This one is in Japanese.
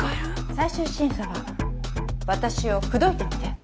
最終審査は私を口説いてみて。